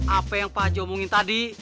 apa yang paji omongin tadi